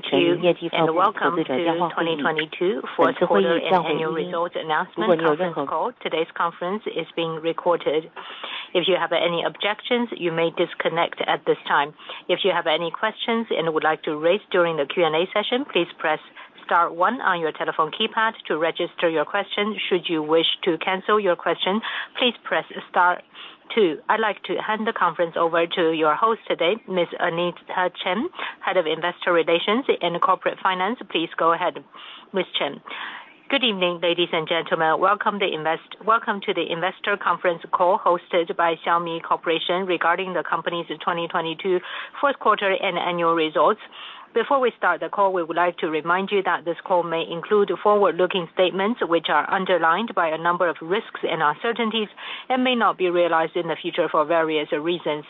Thank you and welcome to 2022 Fourth Quarter and Annual Results Announcement Conference Call. Today's conference is being recorded. If you have any objections, you may disconnect at this time. If you have any questions and would like to raise during the Q&A session, please press star one on your telephone keypad to register your question. Should you wish to cancel your question, please press star two. I'd like to hand the conference over to your host today, Ms. Anita Chen, Head of Investor Relations and Corporate Finance. Please go ahead, Ms. Chen. Good evening, ladies and gentlemen. Welcome to the investor conference call hosted by Xiaomi Corporation regarding the company's 2022 fourth quarter and annual results. Before we start the call, we would like to remind you that this call may include forward-looking statements, which are underlined by a number of risks and uncertainties and may not be realized in the future for various reasons.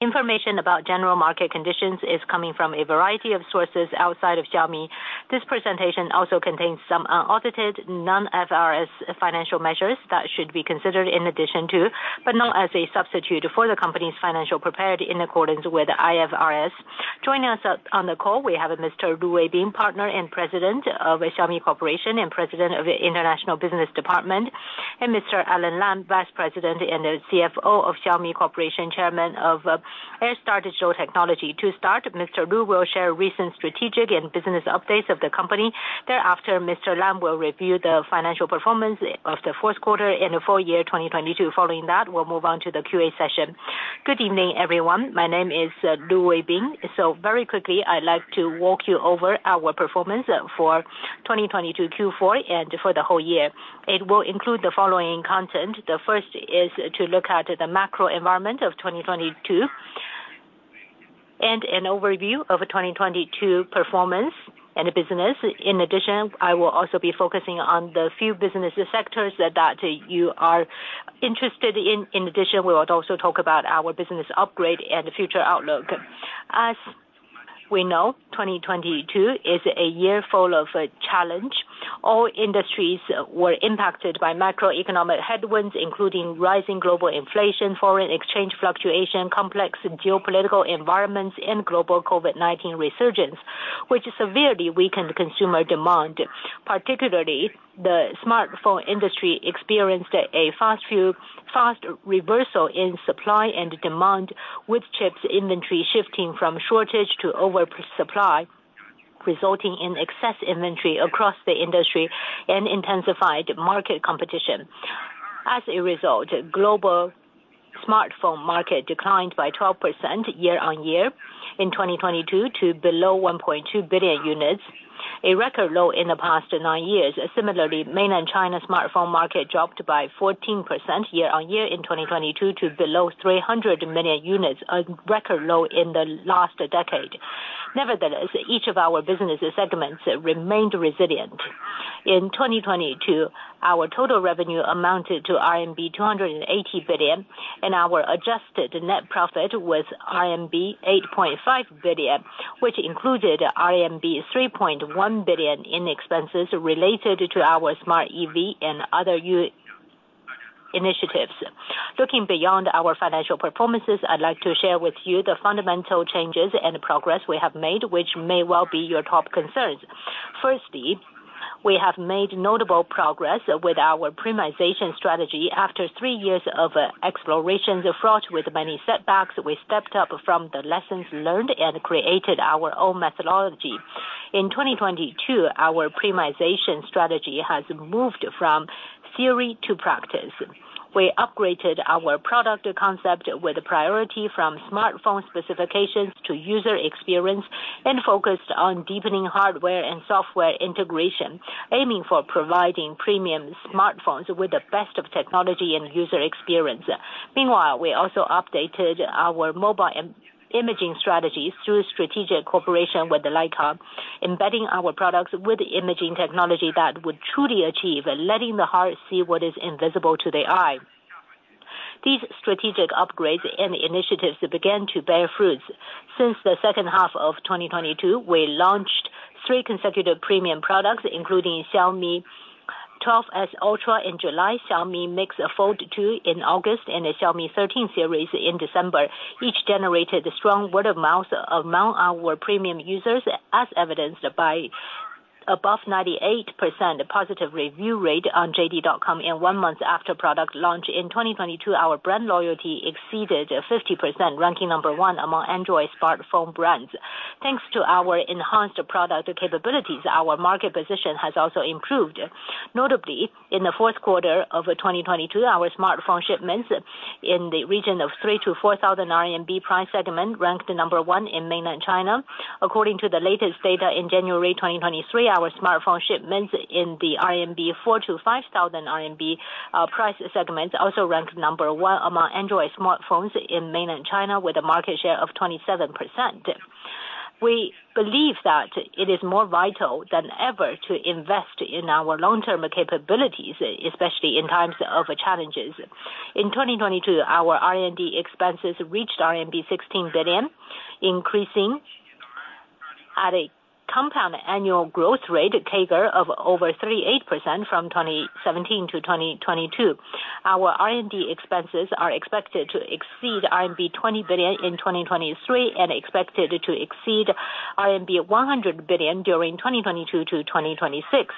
Information about general market conditions is coming from a variety of sources outside of Xiaomi. This presentation also contains some unaudited, non-IFRS financial measures that should be considered in addition to, but not as a substitute for, the company's financial prepared in accordance with IFRS. Joining us on the call, we have Mr. Lu Weibing, Partner and President of Xiaomi Corporation and President of International Business Department, and Mr. Alain Lam, Vice President and CFO of Xiaomi Corporation, Chairman of Airstar Digital Technology. To start, Mr. Lu will share recent strategic and business updates of the company. Thereafter, Mr. Lam will review the financial performance of the fourth quarter and the full year 2022. Following that, we'll move on to the Q&A session. Good evening, everyone. My name is Lu Weibing. Very quickly, I'd like to walk you over our performance for 2022 Q4 and for the whole year. It will include the following content. The first is to look at the macro environment of 2022 and an overview of 2022 performance and business. In addition, I will also be focusing on the few business sectors that you are interested in. In addition, we will also talk about our business upgrade and future outlook. As we know, 2022 is a year full of challenge. All industries were impacted by macroeconomic headwinds, including rising global inflation, foreign exchange fluctuation, complex geopolitical environments, and global COVID-19 resurgence, which severely weakened consumer demand. Particularly, the smartphone industry experienced a fast reversal in supply and demand, with chips inventory shifting from shortage to oversupply, resulting in excess inventory across the industry and intensified market competition. As a result, the global smartphone market declined by 12% year-on-year in 2022 to below 1.2 billion units, a record low in the past nine years. Similarly, Mainland China smartphone market dropped by 14% year-on-year in 2022 to below 300 million units, a record low in the last decade. Nevertheless, each of our business segments remained resilient. In 2022, our total revenue amounted to RMB 280 billion, and our adjusted net profit was RMB 8.5 billion, which included RMB 3.1 billion in expenses related to our smart EV and other new initiatives. Looking beyond our financial performances, I'd like to share with you the fundamental changes and progress we have made, which may well be your top concerns. Firstly, we have made notable progress with our premiumization strategy. After three years of explorations fraught with many setbacks, we stepped up from the lessons learned and created our own methodology. In 2022, our premiumization strategy has moved from theory to practice. We upgraded our product concept with a priority from smartphone specifications to user experience and focused on deepening hardware and software integration, aiming for providing premium smartphones with the best of technology and user experience. Meanwhile, we also updated our mobile imaging strategy through strategic cooperation with the Leica, embedding our products with imaging technology that would truly achieve letting the heart see what is invisible to the eye. These strategic upgrades and initiatives began to bear fruits. Since the second half of 2022, we launched three consecutive premium products, including Xiaomi 12S Ultra in July, Xiaomi MIX Fold 2 in August, and a Xiaomi 13 series in December. Each generated strong word-of-mouth among our premium users, as evidenced by above 98% positive review rate on JD.com in one month after product launch. In 2022, our brand loyalty exceeded 50%, ranking number one among Android smartphone brands. Thanks to our enhanced product capabilities, our market position has also improved. Notably, in the fourth quarter of 2022, our smartphone shipments in the region of 3,000-4,000 RMB price segment ranked number one in Mainland China. According to the latest data in January 2023, our smartphone shipments in the RMB 4,000- 5,000 RMB price segment also ranked number one among Android smartphones in Mainland China with a market share of 27%. We believe that it is more vital than ever to invest in our long-term capabilities, especially in times of challenges. In 2022, our R&D expenses reached RMB 16 billion, increasing at a compound annual growth rate (CAGR) of over 38% from 2017 to 2022. Our R&D expenses are expected to exceed RMB 20 billion in 2023 and to expected to exceed RMB 100 billion during 2022 to 2026.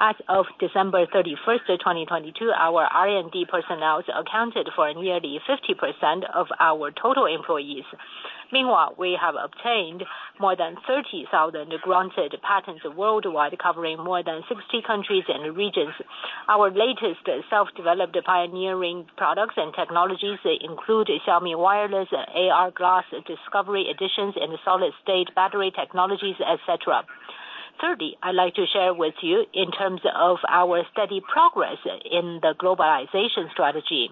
As of December 31, 2022, our R&D personnel accounted for nearly 50% of our total employees. Meanwhile, we have obtained more than 30,000 granted patents worldwide, covering more than 60 countries and regions. Our latest self-developed pioneering products and technologies include Xiaomi Wireless AR Glass Discovery Edition, and solid-state battery technologies, et cetera. Thirdly, I'd like to share with you in terms of our steady progress in the globalization strategy.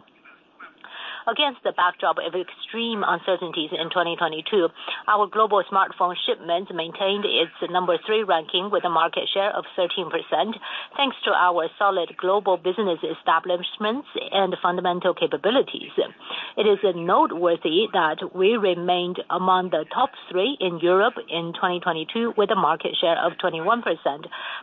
Against the backdrop of extreme uncertainties in 2022, our global smartphone shipments maintained its number 3 ranking with a market share of 13%, thanks to our solid global business establishments and fundamental capabilities. It is noteworthy that we remained among the top 3 in Europe in 2022 with a market share of 21%.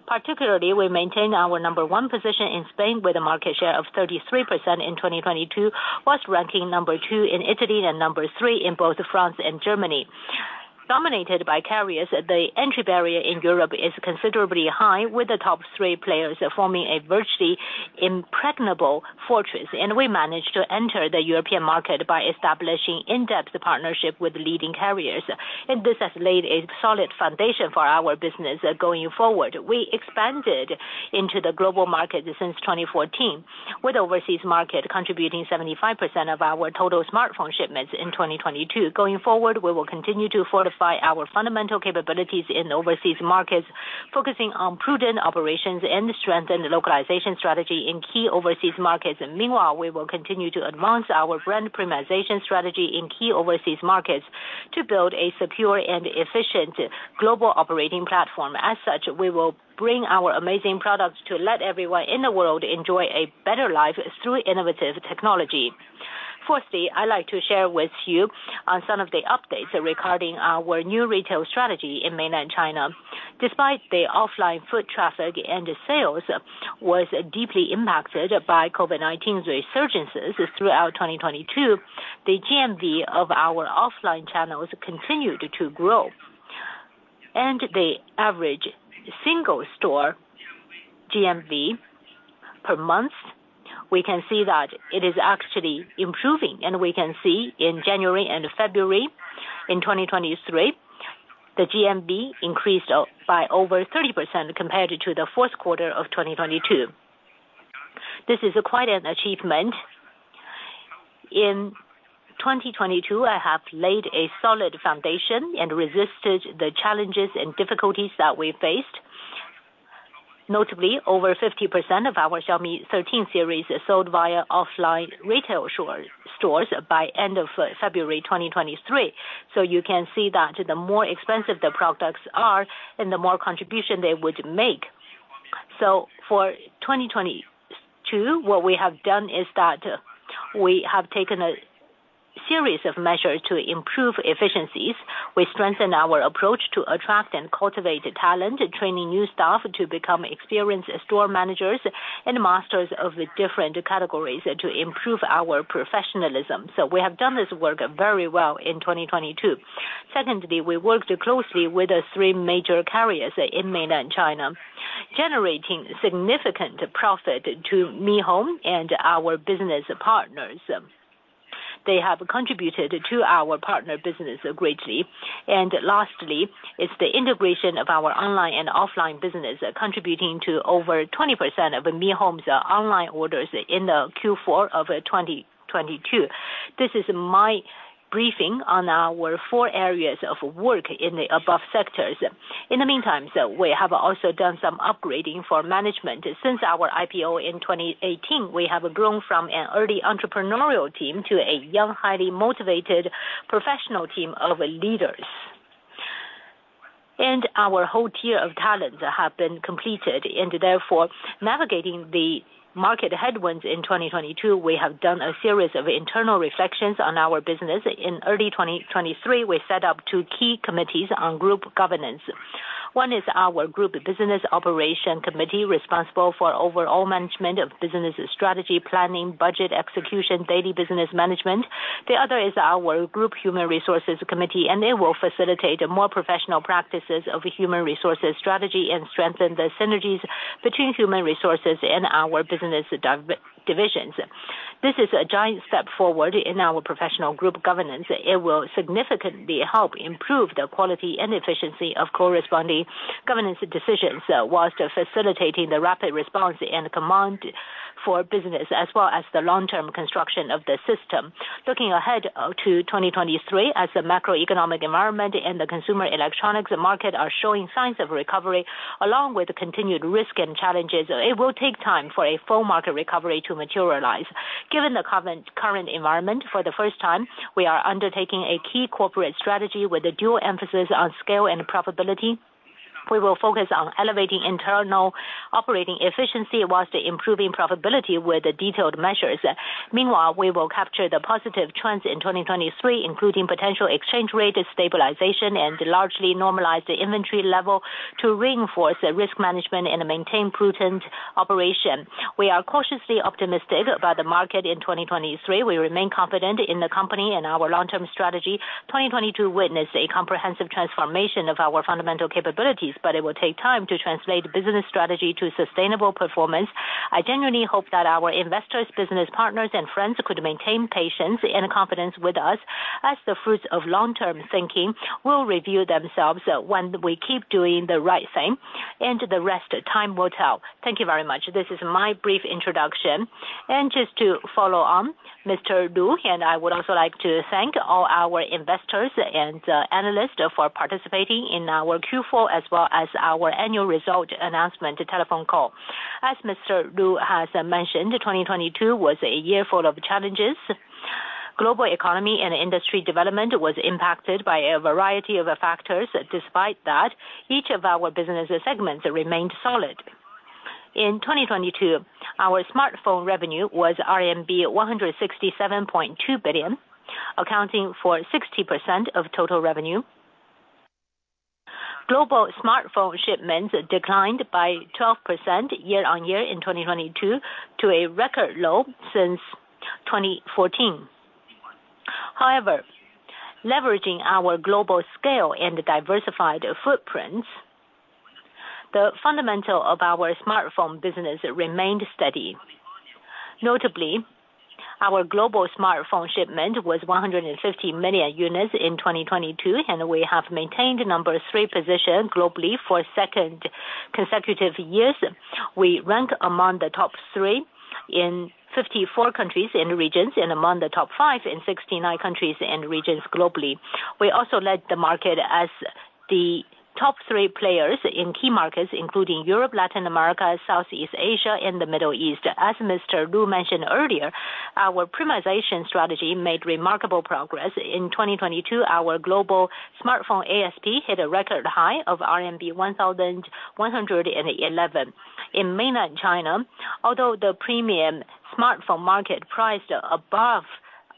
Particularly, we maintained our number 1 position in Spain with a market share of 33% in 2022, whilst ranking number 2 in Italy and number 3 in both France and Germany. Dominated by carriers, the entry barrier in Europe is considerably high, with the top three players forming a virtually impregnable fortress, we managed to enter the European market by establishing in-depth partnership with leading carriers. This has laid a solid foundation for our business going forward. We expanded into the global market since 2014, with overseas market contributing 75% of our total smartphone shipments in 2022. Going forward, we will continue to fortify our fundamental capabilities in overseas markets, focusing on prudent operations and strengthen localization strategy in key overseas markets. Meanwhile, we will continue to advance our brand premiumization strategy in key overseas markets to build a secure and efficient global operating platform. As such, we will bring our amazing products to let everyone in the world enjoy a better life through innovative technology. Fourthly, I'd like to share with you on some of the updates regarding our new retail strategy in Mainland China. Despite the offline foot traffic and sales was deeply impacted by COVID-19's resurgences throughout 2022, the GMV of our offline channels continued to grow. The average single store GMV per month, we can see that it is actually improving, and we can see in January and February in 2023, the GMV increased by over 30% compared to the fourth quarter of 2022. This is quite an achievement. In 2022, I have laid a solid foundation and resisted the challenges and difficulties that we faced. Notably, over 50% of our Xiaomi 13 series is sold via offline retail stores by end of February 2023. You can see that the more expensive the products are, and the more contribution they would make. For 2022, what we have done is that we have taken a series of measures to improve efficiencies. We strengthen our approach to attract and cultivate talent, training new staff to become experienced store managers and masters of the different categories to improve our professionalism. We have done this work very well in 2022. Secondly, we worked closely with the three major carriers in Mainland China, generating significant profit to Mi Home and our business partners. They have contributed to our partner business greatly. Lastly is the integration of our online and offline business, contributing to over 20% of Mi Home's online orders in the Q4 of 2022. This is my briefing on our four areas of work in the above sectors. In the meantime, we have also done some upgrading for management. Since our IPO in 2018, we have grown from an early entrepreneurial team to a young, highly motivated professional team of leaders. Our whole tier of talent have been completed, and therefore navigating the market headwinds in 2022, we have done a series of internal reflections on our business. In early 2023, we set up two key committees on group governance. One is our group business operation committee, responsible for overall management of business strategy, planning, budget execution, daily business management. The other is our group human resources committee, they will facilitate more professional practices of human resources strategy and strengthen the synergies between human resources and our business divisions. This is a giant step forward in our professional group governance. It will significantly help improve the quality and efficiency of corresponding governance decisions whilst facilitating the rapid response and command for business as well as the long-term construction of the system. Looking ahead to 2023 as the macroeconomic environment and the consumer electronics market are showing signs of recovery along with continued risk and challenges, it will take time for a full market recovery to materialize. Given the current environment, for the first time, we are undertaking a key corporate strategy with a dual emphasis on scale and profitability. We will focus on elevating internal operating efficiency whilst improving profitability with the detailed measures. We will capture the positive trends in 2023, including potential exchange rate stabilization and largely normalize the inventory level to reinforce risk management and maintain prudent operation. We are cautiously optimistic about the market in 2023. We remain confident in the company and our long-term strategy. 2022 witnessed a comprehensive transformation of our fundamental capabilities. It will take time to translate business strategy to sustainable performance. I genuinely hope that our investors, business partners, and friends could maintain patience and confidence with us as the fruits of long-term thinking will reveal themselves when we keep doing the right thing, and the rest time will tell. Thank you very much. This is my brief introduction. Just to follow on, Mr. Lu, and I would also like to thank all our investors and analysts for participating in our Q4 as well as our annual result announcement telephone call. As Mr. Lu has mentioned, 2022 was a year full of challenges. Global economy and industry development was impacted by a variety of factors. Despite that, each of our business segments remained solid. In 2022, our smartphone revenue was RMB 167.2 billion, accounting for 60% of total revenue. Global smartphone shipments declined by 12% year-on-year in 2022 to a record low since 2014. However, leveraging our global scale and diversified footprints, the fundamental of our smartphone business remained steady. Notably, our global smartphone shipment was 150 million units in 2022, and we have maintained the number three position globally for second consecutive years. We rank among the top three in 54 countries and regions and among the top five in 69 countries and regions globally. We also led the market as the top three players in key markets, including Europe, Latin America, Southeast Asia and the Middle East. As Mr. Lu mentioned earlier, our premiumization strategy made remarkable progress. In 2022, our global smartphone ASP hit a record high of RMB 1,111. In Mainland China, although the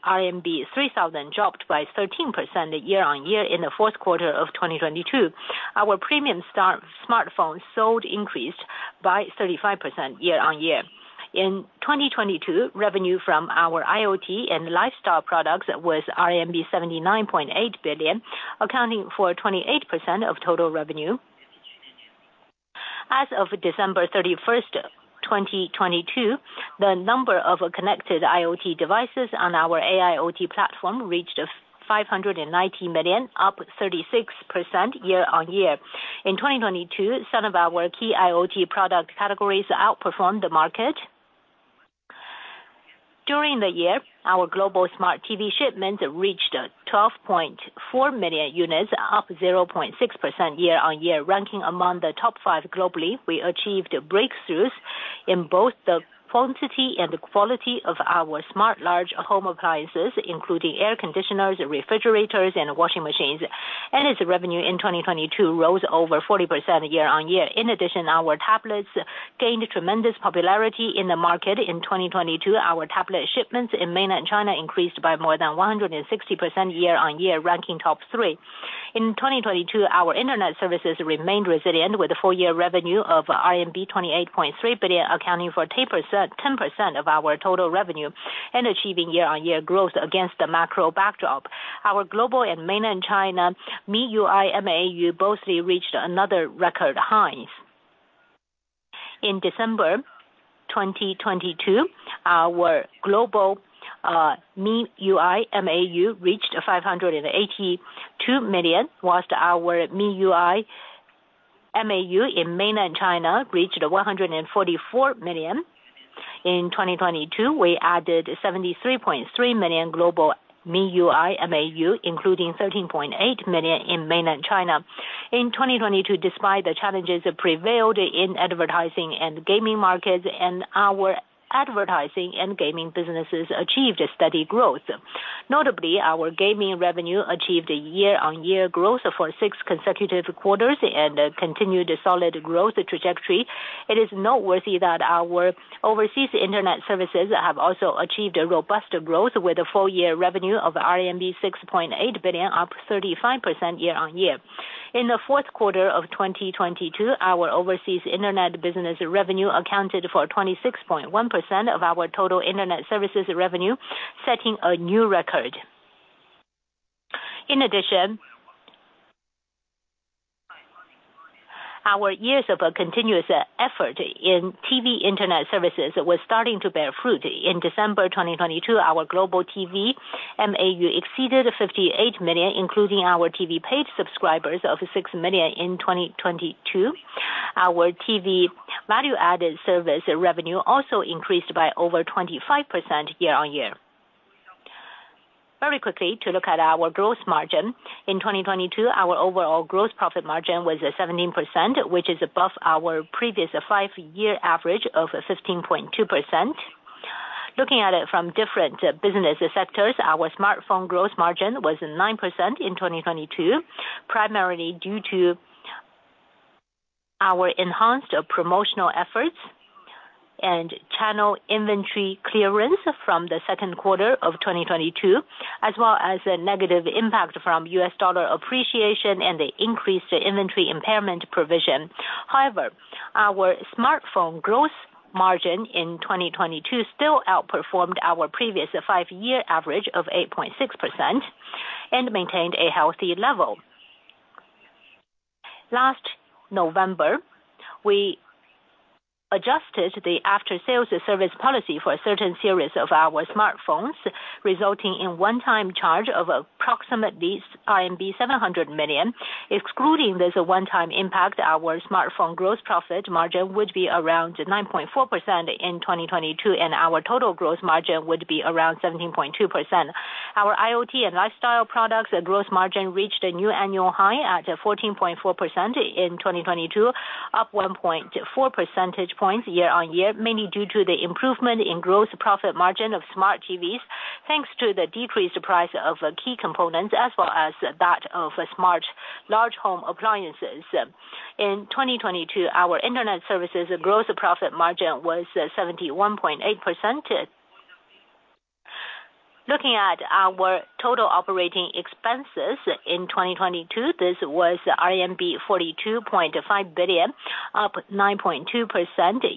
premium smartphone market priced above RMB 3,000 dropped by 13% year-over-year in the fourth quarter of 2022, our premium smartphone sold increased by 35% year-over-year. In 2022, revenue from our IoT and lifestyle products was RMB 79.8 billion, accounting for 28% of total revenue. As of December 31st, 2022, the number of connected IoT devices on our AIoT platform reached 590 million, up 36% year-over-year. In 2022, some of our key IoT product categories outperformed the market. During the year, our global smart TV shipments reached 12.4 million units, up 0.6% year-over-year, ranking among the top five globally. We achieved breakthroughs in both the quantity and the quality of our smart large home appliances, including air conditioners, refrigerators and washing machines. Its revenue in 2022 rose over 40% year-on-year. In addition, our tablets gained tremendous popularity in the market. In 2022, our tablet shipments in Mainland China increased by more than 160% year-on-year, ranking top three. In 2022, our internet services remained resilient with full year revenue of RMB 28.3 billion, accounting for 10% of our total revenue and achieving year-on-year growth against the macro backdrop. Our global and Mainland China MIUI MAU both reached another record highs. In December 2022, our global MIUI MAU reached 582 million, whilst our MIUI MAU in Mainland China reached 144 million. In 2022, we added 73.3 million global MIUI MAU, including 13.8 million in Mainland China. In 2022, despite the challenges prevailed in advertising and gaming markets and our advertising and gaming businesses achieved a steady growth. Notably, our gaming revenue achieved a year-over-year growth for six consecutive quarters and continued solid growth trajectory. It is noteworthy that our overseas internet services have also achieved a robust growth with a full year revenue of RMB 6.8 billion, up 35% year-over-year. In the fourth quarter of 2022, our overseas internet business revenue accounted for 26.1% of our total internet services revenue, setting a new record. In addition our years of continuous effort in TV internet services was starting to bear fruit. In December 2022, our global TV MAU exceeded 58 million, including our TV paid subscribers of 6 million in 2022. Our TV value-added service revenue also increased by over 25% year-over-year. Very quickly to look at our gross margin. In 2022, our overall gross profit margin was 17%, which is above our previous five-year average of 15.2%. Looking at it from different business sectors, our smartphone gross margin was 9% in 2022, primarily due to our enhanced promotional efforts and channel inventory clearance from the second quarter of 2022, as well as a negative impact from US dollar appreciation and the increased inventory impairment provision. However, our smartphone gross margin in 2022 still outperformed our previous five-year average of 8.6% and maintained a healthy level. Last November, we adjusted the after-sales service policy for a certain series of our smartphones, resulting in one-time charge of approximate RMB 700 million. Excluding this one-time impact, our smartphone gross profit margin would be around 9.4% in 2022, and our total gross margin would be around 17.2%. Our IoT and lifestyle products gross margin reached a new annual high at 14.4% in 2022, up 1.4 percentage points year-on-year, mainly due to the improvement in gross profit margin of smart TVs, thanks to the decreased price of key components as well as that of smart large home appliances. In 2022, our Internet services gross profit margin was 71.8%. Looking at our total operating expenses in 2022, this was RMB 42.5 billion, up 9.2%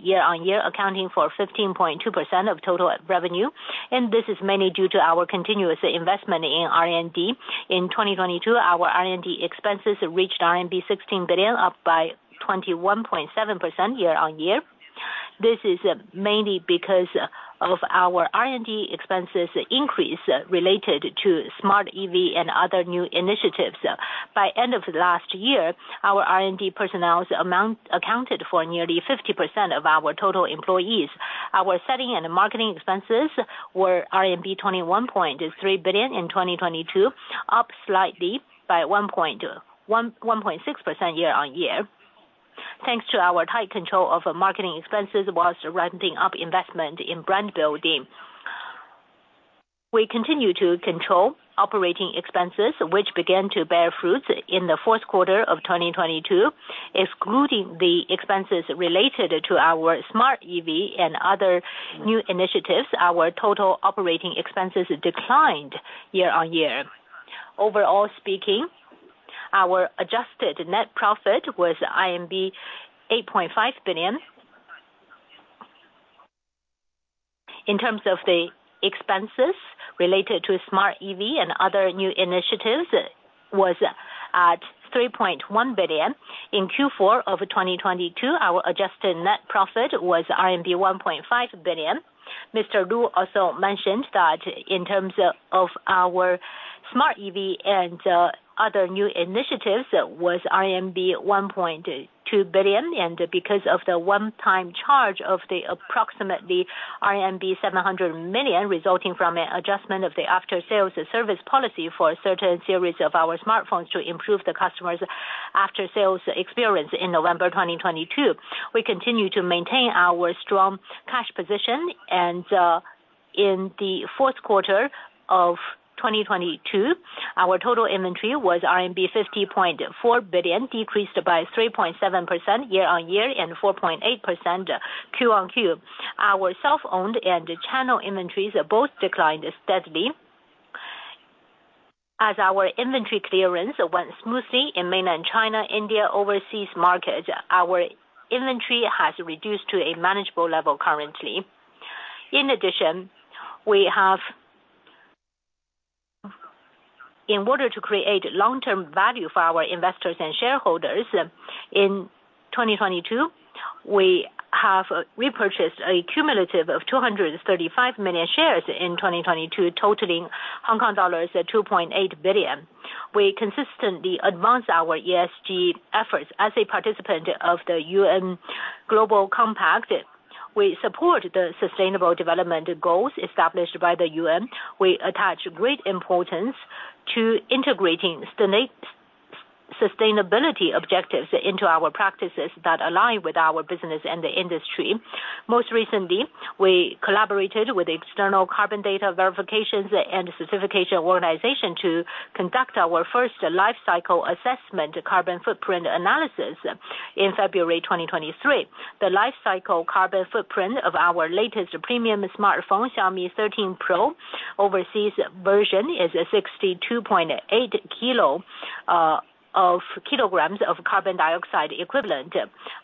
year-on-year, accounting for 15.2% of total revenue. This is mainly due to our continuous investment in R&D. In 2022, our R&D expenses reached RMB 16 billion, up by 21.7% year-on-year. This is mainly because of our R&D expenses increase related to smart EV and other new initiatives. By end of last year, our R&D personnel's amount accounted for nearly 50% of our total employees. Our selling and marketing expenses were RMB 21.3 billion in 2022, up slightly by 1.6% year-on-year. Thanks to our tight control of marketing expenses whilst ramping up investment in brand building. We continue to control operating expenses, which began to bear fruits in the fourth quarter of 2022. Excluding the expenses related to our smart EV and other new initiatives, our total operating expenses declined year-on-year. Overall speaking, our adjusted net profit was 8.5 billion. In terms of the expenses related to smart EV and other new initiatives was at 3.1 billion. In Q4 of 2022, our adjusted net profit was RMB 1.5 billion. Mr. Lu also mentioned that in terms of our smart EV and other new initiatives was RMB 1.2 billion. Because of the one-time charge of the approximately RMB 700 million resulting from an adjustment of the after-sales service policy for a certain series of our smartphones to improve the customers' after-sales experience in November 2022. We continue to maintain our strong cash position. In the fourth quarter of 2022, our total inventory was RMB 50.4 billion, decreased by 3.7% year-over-year and 4.8% Q on Q. Our self-owned and channel inventories both declined steadily. As our inventory clearance went smoothly in Mainland China, India, overseas market, our inventory has reduced to a manageable level currently. In addition, in order to create long-term value for our investors and shareholders, in 2022, we have repurchased a cumulative of 235 million shares in 2022, totaling 2.8 billion Hong Kong dollars. We consistently advance our ESG efforts as a participant of the UN Global Compact. We support the Sustainable Development Goals established by the UN. We attach great importance to integrating sustainability objectives into our practices that align with our business and the industry. Most recently, we collaborated with external carbon data verifications and certification organization to conduct our first life cycle assessment carbon footprint analysis in February 2023. The life cycle carbon footprint of our latest premium smartphone, Xiaomi 13 Pro overseas version is 62.8 kilograms of carbon dioxide equivalent.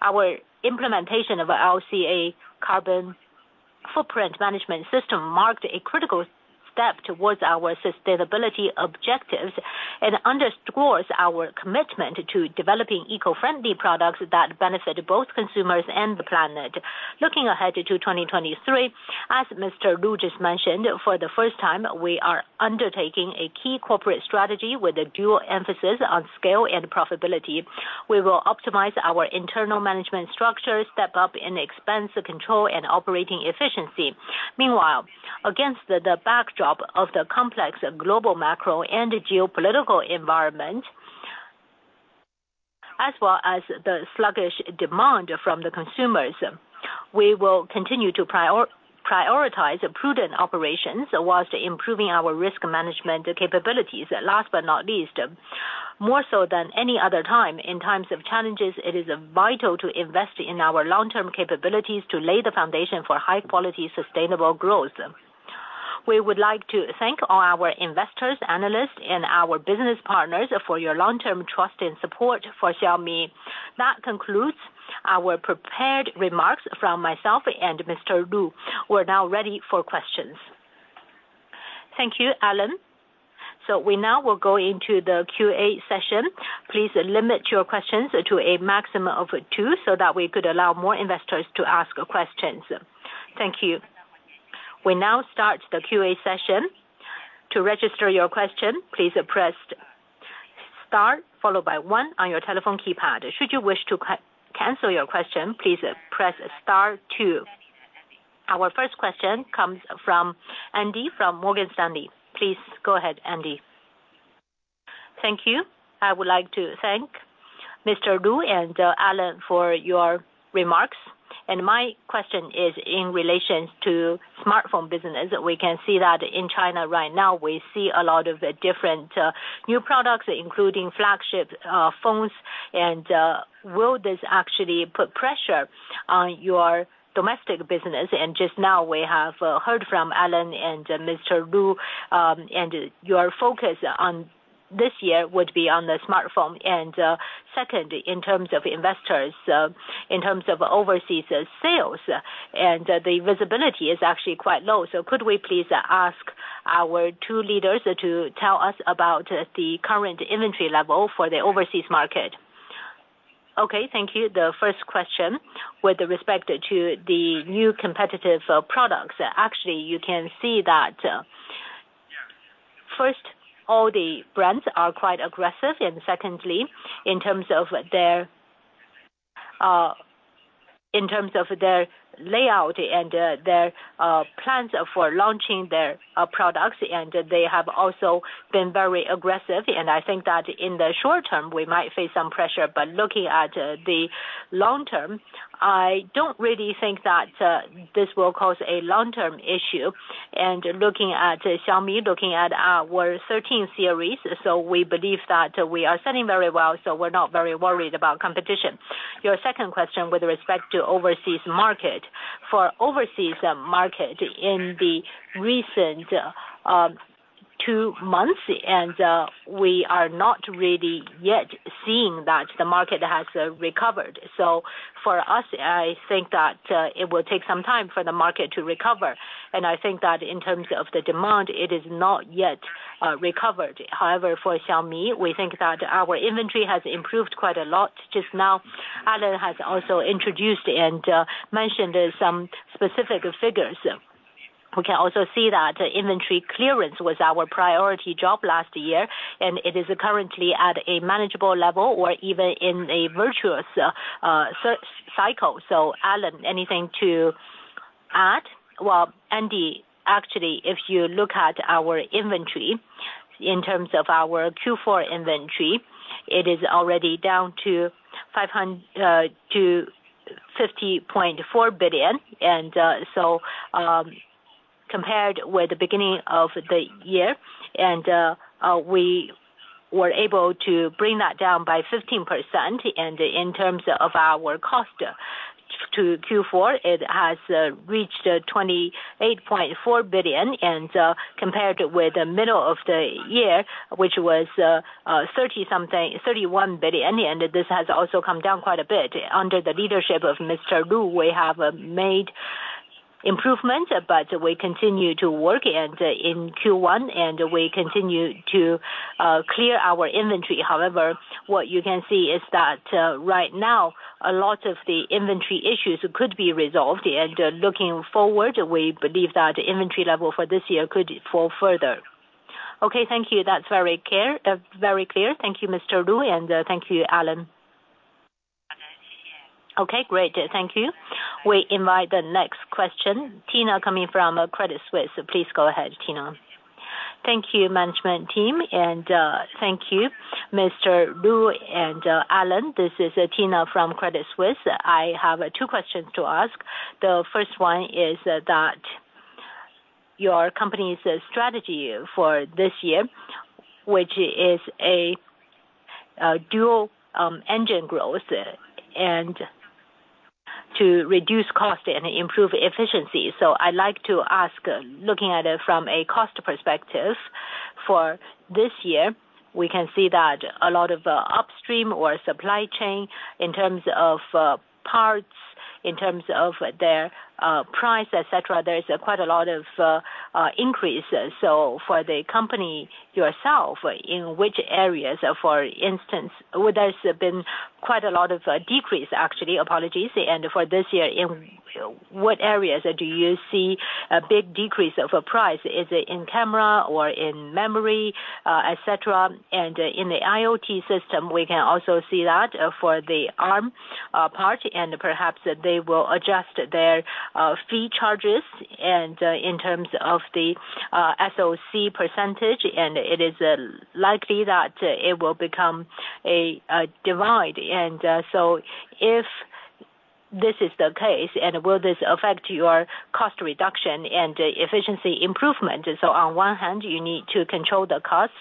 Our implementation of LCA carbon footprint management system marked a critical step towards our sustainability objectives and underscores our commitment to developing eco-friendly products that benefit both consumers and the planet. Looking ahead to 2023, as Mr. Lu just mentioned, for the first time, we are undertaking a key corporate strategy with a dual emphasis on scale and profitability. We will optimize our internal management structure, step up in expense control and operating efficiency. Meanwhile, against the backdrop of the complex global macro and geopolitical environment as well as the sluggish demand from the consumers. We will continue to prioritize prudent operations whilst improving our risk management capabilities. Last but not least, more so than any other time, in times of challenges, it is vital to invest in our long-term capabilities to lay the foundation for high quality, sustainable growth. We would like to thank all our investors, analysts, and our business partners for your long-term trust and support for Xiaomi. That concludes our prepared remarks from myself and Mr. Lu. We're now ready for questions. Thank you, Alain. We now will go into the Q&A session. Please limit your questions to a maximum of two so that we could allow more investors to ask questions. Thank you. We now start the Q&A session. To register your question, please press star followed by one on your telephone keypad. Should you wish to cancel your question, please press star one. Our first question comes from Andy from Morgan Stanley. Please go ahead, Andy. Thank you. I would like to thank Mr. Lu and Alain for your remarks. My question is in relation to smartphone business. We can see that in China right now we see a lot of different new products, including flagship phones. Will this actually put pressure on your domestic business? Just now we have heard from Alain and Mr. Lu, your focus on this year would be on the smartphone. Second, in terms of investors, in terms of overseas sales and the visibility is actually quite low. Could we please ask our two leaders to tell us about the current inventory level for the overseas market? Okay, thank you. The first question with respect to the new competitive products, actually you can see that, first, all the brands are quite aggressive. Secondly, in terms of their in terms of their layout and their plans for launching their products, they have also been very aggressive. I think that in the short term, we might face some pressure, but looking at the long term, I don't really think that this will cause a long-term issue. Looking at Xiaomi, looking at our Xiaomi 13 series. We believe that we are selling very well, so we're not very worried about competition. Your second question with respect to overseas market. For overseas market in the recent two months, we are not really yet seeing that the market has recovered. For us, I think that it will take some time for the market to recover. I think that in terms of the demand, it is not yet recovered. However, for Xiaomi, we think that our inventory has improved quite a lot. Just now, Alain has also introduced and mentioned some specific figures. We can also see that inventory clearance was our priority job last year, and it is currently at a manageable level or even in a virtuous cycle. Alain, anything to add? Well, Andy, actually, if you look at our inventory in terms of our Q4 inventory, it is already down to 50.4 billion. Compared with the beginning of the year, we were able to bring that down by 15%. In terms of our cost to Q4, it has reached 28.4 billion. Compared with the middle of the year, which was 30 something, 31 billion, this has also come down quite a bit. Under the leadership of Mr. Lu, we have made improvement, but we continue to work and in Q1 and we continue to clear our inventory. However, what you can see is that right now a lot of the inventory issues could be resolved. Looking forward, we believe that inventory level for this year could fall further. Okay. Thank you. That's very clear. That's very clear. Thank you, Mr. Lu. Thank you, Alain. Okay, great. Thank you. We invite the next question, Tina coming from Credit Suisse. Please go ahead, Tina. Thank you, management team, and thank you Mr. Lu and Alain. This is Tina from Credit Suisse. I have two questions to ask. The first one is that your company's strategy for this year, which is a dual engine growth and to reduce cost and improve efficiency. I'd like to ask, looking at it from a cost perspective, for this year, we can see that a lot of upstream or supply chain in terms of parts, in terms of their price, et cetera, there is quite a lot of increases. For the company yourself, in which areas, for instance there's been quite a lot of decrease actually, apologies. For this year, in what areas do you see a big decrease of price? Is it in camera or in memory, et cetera? In the IoT system, we can also see that for the ARM part and perhaps they will adjust their fee charges and in terms of the SoC percentage, and it is likely that it will become a divide. So if this is the case. Will this affect your cost reduction and efficiency improvement? On one hand, you need to control the cost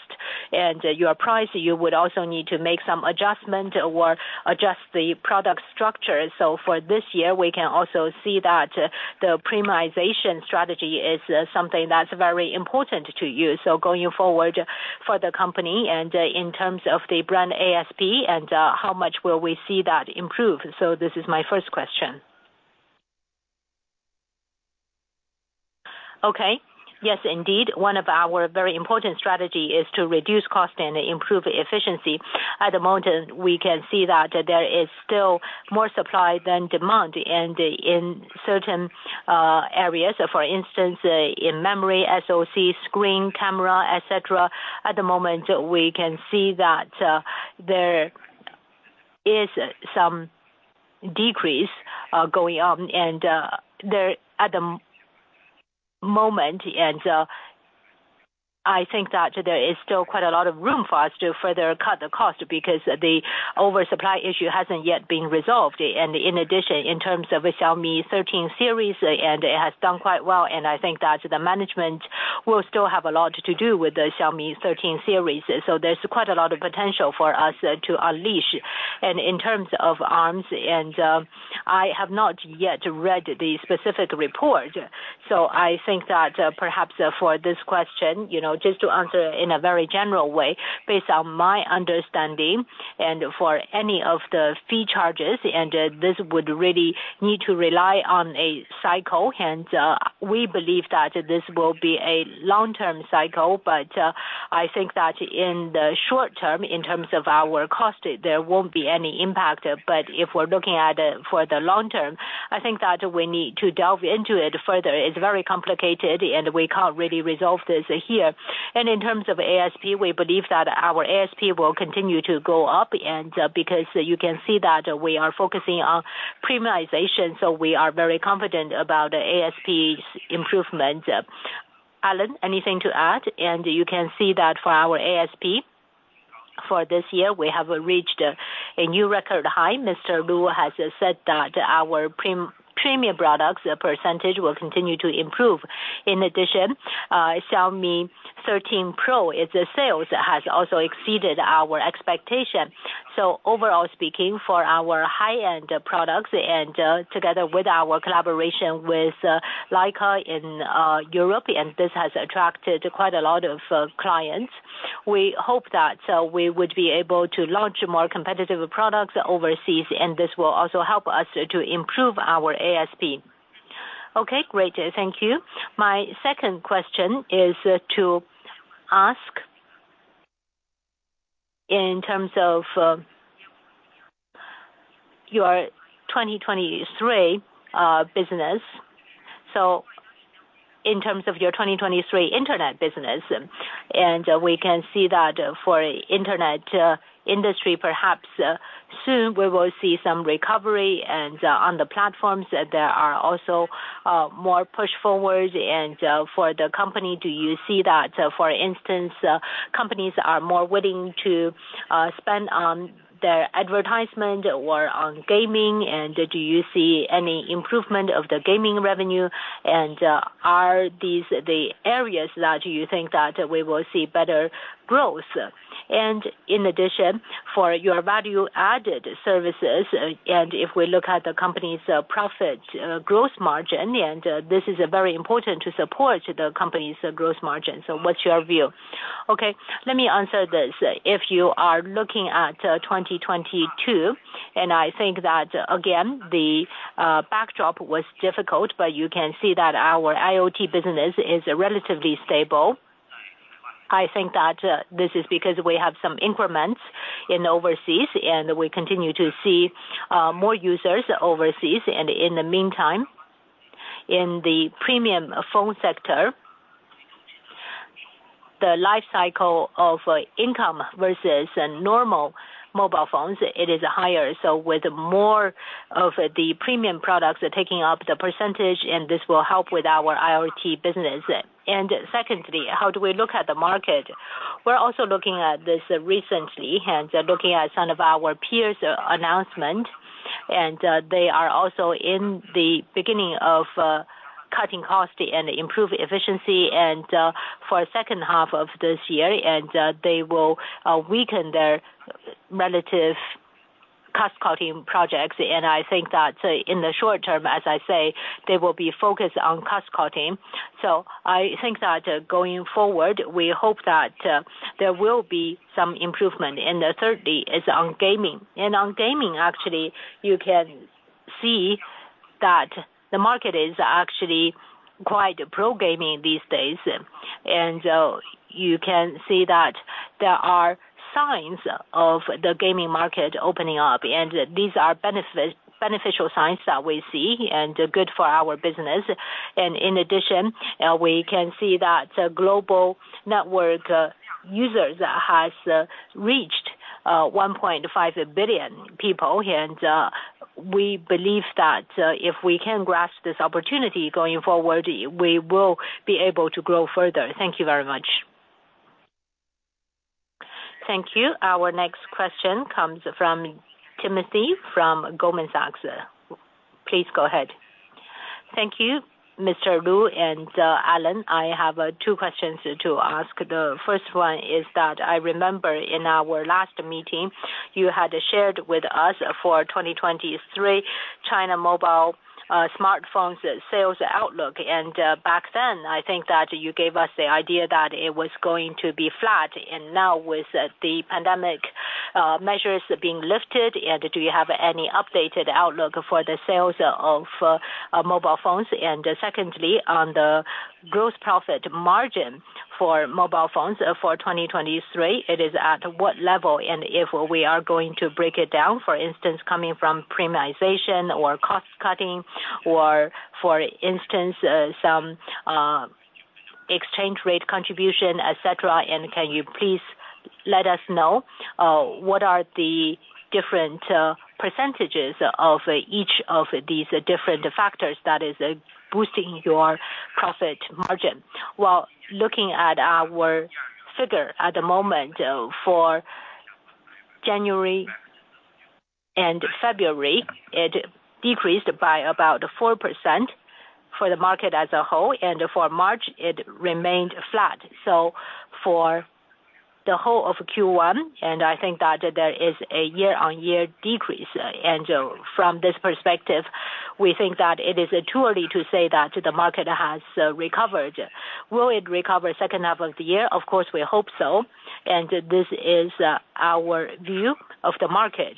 and your price. You would also need to make some adjustment or adjust the product structure. For this year, we can also see that the premiumization strategy is something that's very important to you. Going forward for the company and in terms of the brand ASP and how much will we see that improve? This is my first question. Okay. Yes, indeed. One of our very important strategy is to reduce cost and improve efficiency. At the moment, we can see that there is still more supply than demand. In certain areas, for instance, in memory, SoC, screen, camera, et cetera, at the moment, we can see that there is some decrease going on. I think that there is still quite a lot of room for us to further cut the cost because the oversupply issue hasn't yet been resolved. In addition, in terms of Xiaomi 13 series, it has done quite well, and I think that the management will still have a lot to do with the Xiaomi 13 series. There's quite a lot of potential for us to unleash. In terms of ARM, I have not yet read the specific report. I think that perhaps for this question, you know, just to answer in a very general way, based on my understanding for any of the fee charges, this would really need to rely on a cycle. We believe that this will be a long-term cycle. I think that in the short-term, in terms of our cost, there won't be any impact. If we're looking at it for the long term, I think that we need to delve into it further. It's very complicated, and we can't really resolve this here. In terms of ASP, we believe that our ASP will continue to go up, because you can see that we are focusing on premiumization, we are very confident about ASP's improvement. Alain, anything to add? You can see that for our ASP for this year, we have reached a new record high. Mr. Lu has said that our premium products percentage will continue to improve. In addition, Xiaomi 13 Pro, its sales has also exceeded our expectation. Overall speaking for our high-end products and together with our collaboration with Leica in Europe, this has attracted quite a lot of clients. We hope that we would be able to launch more competitive products overseas, this will also help us to improve our ASP. Okay, great. Thank you. My second question is to ask in terms of your 2023 business. In terms of your 2023 internet business. We can see that for internet industry, perhaps soon we will see some recovery. On the platforms there are also more push forwards. For the company, do you see that, for instance, companies are more willing to spend on their advertisement or on gaming? Do you see any improvement of the gaming revenue? Are these the areas that you think that we will see better growth? In addition, for your value-added services, if we look at the company's profit growth margin, this is very important to support the company's growth margin. What's your view? Okay, let me answer this. If you are looking at 2022, I think that again, the backdrop was difficult, but you can see that our IoT business is relatively stable. I think that this is because we have some increments in overseas, and we continue to see more users overseas. In the meantime, in the premium phone sector, the life cycle of income versus normal mobile phones, it is higher. With more of the premium products taking up the percentage, this will help with our IoT business. Secondly, how do we look at the market? We're also looking at this recently and looking at some of our peers' announcement, and they are also in the beginning of cutting cost and improve efficiency and for second half of this year. They will weaken their relative cost-cutting projects. I think that in the short term, as I say, they will be focused on cost-cutting. I think that going forward, we hope that there will be some improvement. Thirdly is on gaming. On gaming, actually, you can see that the market is actually quite pro-gaming these days. You can see that there are signs of the gaming market opening up, and these are beneficial signs that we see and good for our business. In addition, we can see that global network users has reached 1.5 billion people. We believe that if we can grasp this opportunity going forward, we will be able to grow further. Thank you very much. Thank you. Our next question comes from Timothy from Goldman Sachs. Please go ahead. Thank you, Mr. Lu and Alain. I have two questions to ask. The first one is that I remember in our last meeting you had shared with us for 2023 China Mobile smartphones sales outlook. Back then I think that you gave us the idea that it was going to be flat. Now with the pandemic measures being lifted, do you have any updated outlook for the sales of mobile phones? Secondly, on the gross profit margin for mobile phones for 2023, it is at what level? If we are going to break it down, for instance, coming from premiumization or cost cutting or for instance, some exchange rate contribution, et cetera. Can you please let us know what are the different percentages of each of these different factors that is boosting your profit margin? Looking at our figure at the moment, for January and February, it decreased by about 4% for the market as a whole. For March it remained flat. For the whole of Q1, I think that there is a year-over-year decrease. From this perspective, we think that it is too early to say that the market has recovered. Will it recover second half of the year? Of course, we hope so. This is our view of the market.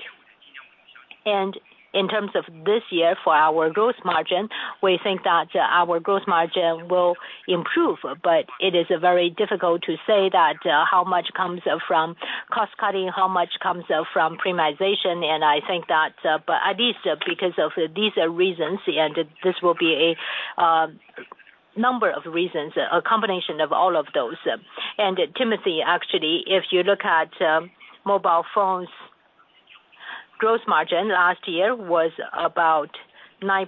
In terms of this year for our growth margin, we think that our growth margin will improve. It is very difficult to say that how much comes from cost cutting, how much comes from premiumization. I think that, but at least because of these reasons, this will be a number of reasons, a combination of all of those. Timothy, actually, if you look at mobile phones growth margin last year was about 9%.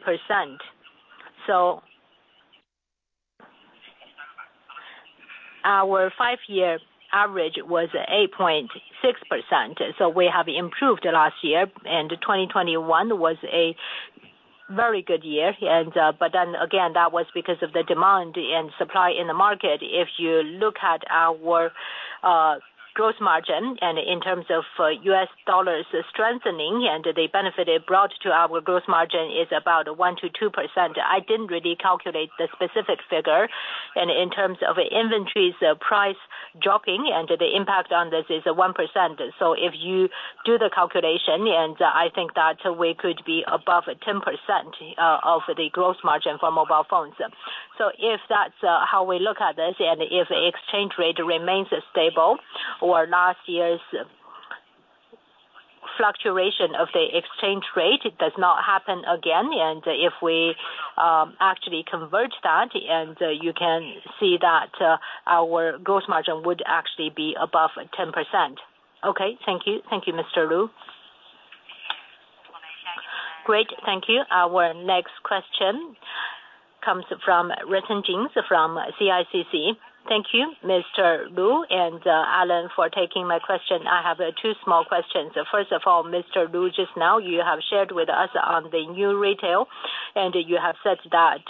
Our five-year average was 8.6%. We have improved last year. 2021 was a very good year. Again, that was because of the demand and supply in the market. If you look at our growth margin and in terms of U.S. dollars strengthening and the benefit it brought to our growth margin is about 1%-2%. I didn't really calculate the specific figure. In terms of inventories price dropping and the impact on this is 1%. If you do the calculation, I think that we could be above 10% of the gross margin for mobile phones. If that's how we look at this, if the exchange rate remains stable or last year's fluctuation of the exchange rate, it does not happen again. If we actually convert that, you can see that our gross margin would actually be above 10%. Okay. Thank you. Thank you, Mr. Lu. Great. Thank you. Our next question comes from Ren Jin from CICC. Thank you Mr. Lu and Alain for taking my question. I have two small questions. First of all, Mr. Lu, just now you have shared with us on the new retail and you have said that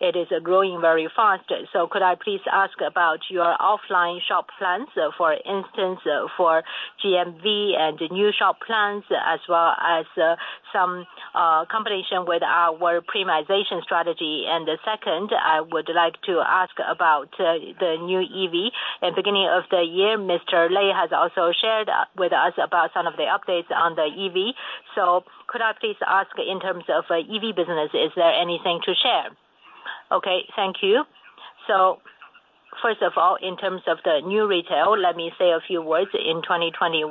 it is growing very fast. Could I please ask about your offline shop plans, for instance, for GMV and new shop plans as well as some combination with our premiumization strategy? The second, I would like to ask about the new EV. At beginning of the year, Mr. Lei has also shared with us about some of the updates on the EV. Could I please ask in terms of EV business, is there anything to share? Okay, thank you. First of all, in terms of the new retail, let me say a few words. In 2021,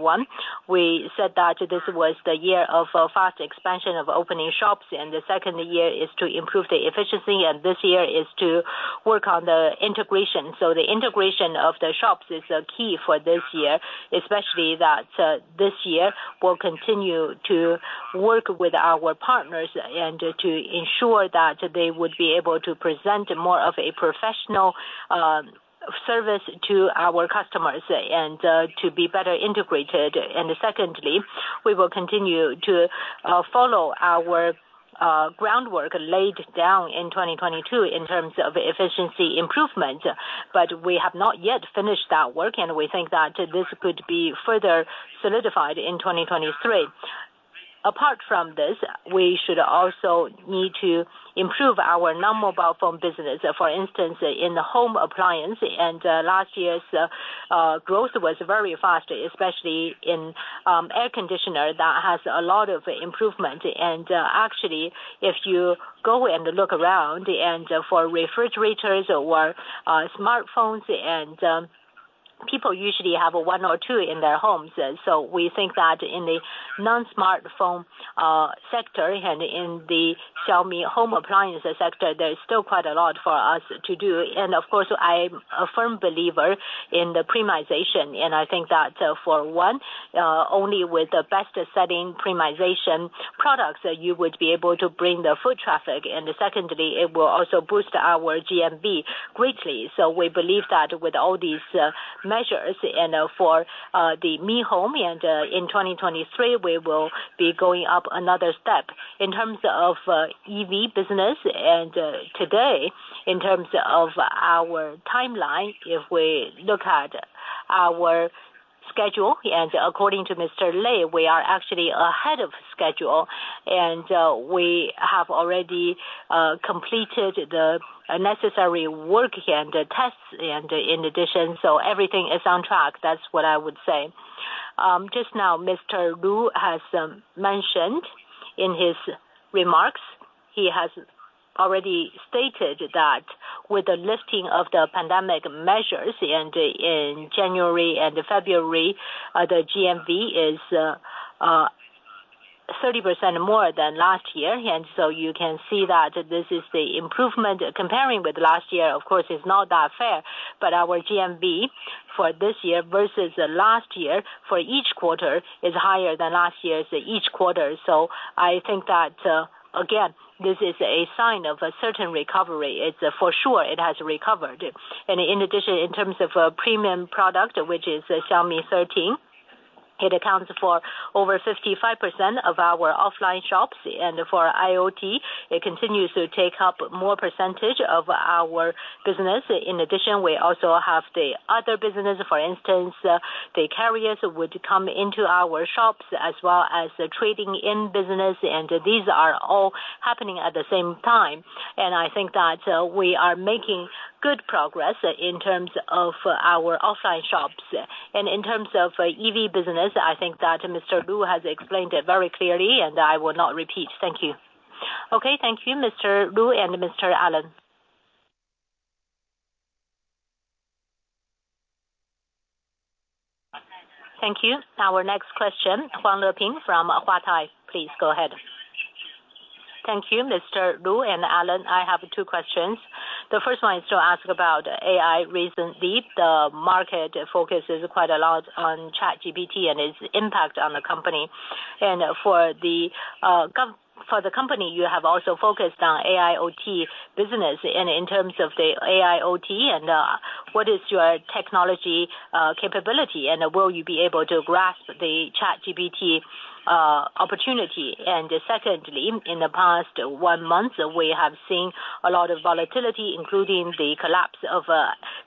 we said that this was the year of fast expansion of opening shops, and the second year is to improve the efficiency, and this year is to work on the integration. The integration of the shops is key for this year, especially that, this year we'll continue to work with our partners and to ensure that they would be able to present more of a professional service to our customers and to be better integrated. Secondly, we will continue to follow our groundwork laid down in 2022 in terms of efficiency improvement. We have not yet finished that work, and we think that this could be further solidified in 2023. Apart from this, we should also need to improve our non-mobile phone business. For instance, in the home appliance and last year's growth was very fast, especially in air conditioner that has a lot of improvement. Actually, if you go and look around and for refrigerators or smartphones, people usually have one or two in their homes. We think that in the non-smartphone sector and in the Xiaomi home appliance sector, there is still quite a lot for us to do. Of course, I'm a firm believer in the premiumization. I think that for one, only with the best setting premiumization products that you would be able to bring the foot traffic. Secondly, it will also boost our GMV greatly. We believe that with all these measures and for the Mi Home and in 2023, we will be going up another step. In terms of EV business and today in terms of our timeline, if we look at our schedule, and according to Mr. Lei, we are actually ahead of schedule, we have already completed the necessary work and tests in addition. Everything is on track. That's what I would say. Just now Mr. Lu has mentioned in his remarks, he has already stated that with the lifting of the pandemic measures in January and February, the GMV is 30% more than last year. You can see that this is the improvement. Comparing with last year, of course it's not that fair. Our GMV for this year versus last year for each quarter is higher than last year's each quarter. I think that, again, this is a sign of a certain recovery. It's for sure it has recovered. In addition, in terms of a premium product, which is Xiaomi 13, it accounts for over 55% of our offline shops. For IoT, it continues to take up more percentage of our business. In addition, we also have the other business, for instance, the carriers which come into our shops as well as the trading in business. These are all happening at the same time. I think that we are making good progress in terms of our offline shops. In terms of EV business, I think that Mr. Lu has explained it very clearly, and I will not repeat. Thank you. Okay, thank you Mr. Lu and Mr. Alain. Thank you. Our next question, Huang Leping from Huatai. Please go ahead. Thank you Mr. Lu and Alain. I have two questions. The first one is to ask about AI. Recently, the market focuses quite a lot on ChatGPT and its impact on the company. For the company, you have also focused on AIoT business. In terms of the AIoT, what is your technology capability, and will you be able to grasp the ChatGPT opportunity? Secondly, in the past one month, we have seen a lot of volatility, including the collapse of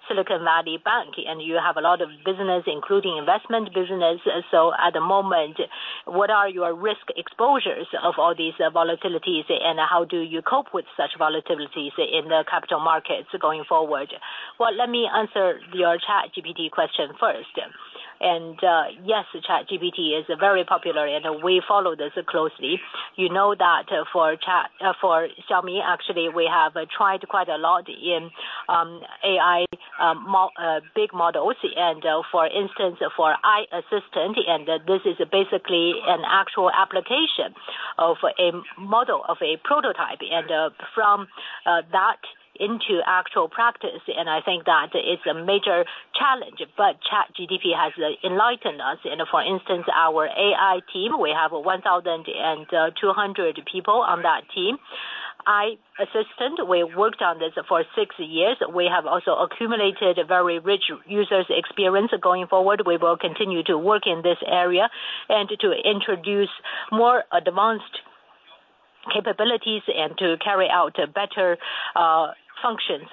Silicon Valley Bank, and you have a lot of business, including investment business. At the moment, what are your risk exposures of all these volatilities, and how do you cope with such volatilities in the capital markets going forward? Well, let me answer your ChatGPT question first. Yes, ChatGPT is very popular, and we follow this closely. You know that for chat, for Xiaomi, actually, we have tried quite a lot in AI, big models, for instance, for iAssistant, and this is basically an actual application of a model of a prototype and from that into actual practice. I think that is a major challenge. ChatGPT has enlightened us and for instance, our AI team, we have 1,200 people on that team. iAssistant, we worked on this for six years. We have also accumulated a very rich users experience. Going forward, we will continue to work in this area and to introduce more advanced capabilities and to carry out better functions.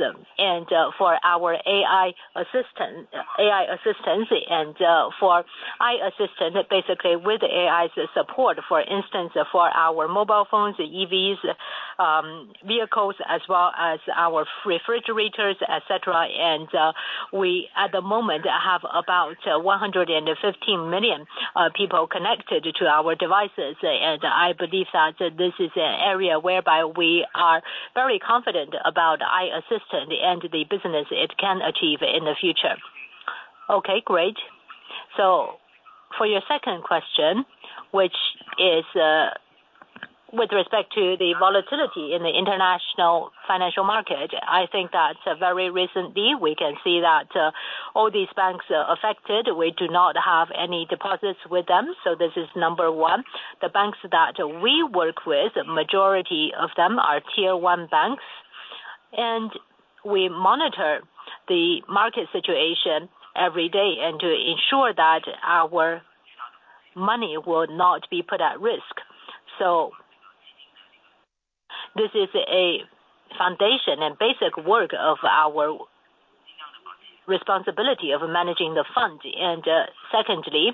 For our AI assistant, AI assistants and for iAssistant, basically with AI's support, for instance, for our mobile phones, EVs, vehicles as well as our refrigerators, et cetera. We at the moment have about 115 million people connected to our devices. I believe that this is an area whereby we are very confident about iAssistant and the business it can achieve in the future. Okay, great. For your second question, which is with respect to the volatility in the international financial market, I think that very recently we can see that all these banks are affected. We do not have any deposits with them. This is number one. The banks that we work with, majority of them are tier one banks. We monitor the market situation every day and to ensure that our money will not be put at risk. This is a foundation and basic work of our responsibility of managing the fund. Secondly,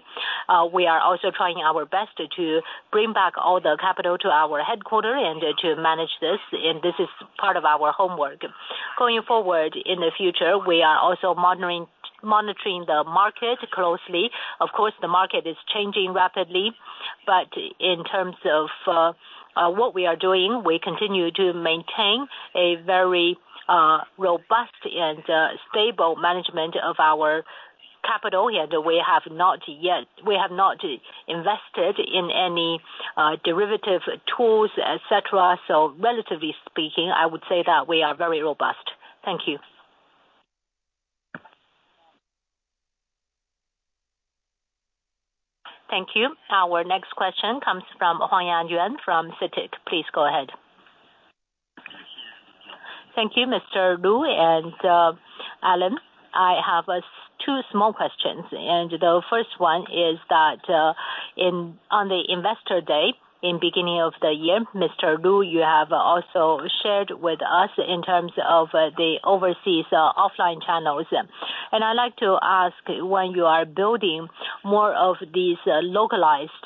we are also trying our best to bring back all the capital to our headquarter and to manage this. This is part of our homework. Going forward in the future, we are also monitoring the market closely. Of course, the market is changing rapidly, but in terms of what we are doing, we continue to maintain a very robust and stable management of our Capital. We have not yet invested in any derivative tools, et cetera. Relatively speaking, I would say that we are very robust. Thank you. Thank you. Our next question comes from Huang Yan Yuan from Citic. Please go ahead. Thank you, Mr. Lu and Alain. I have two small questions. The first one is that on the investor day in beginning of the year, Mr. Lu, you have also shared with us in terms of the overseas offline channels. I'd like to ask when you are building more of these localized